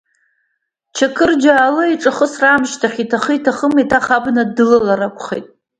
Чақырџьалы аиҿахысра аамышьҭахь, иҭахы-иҭахым, еиҭах абна дылалар акәхеит.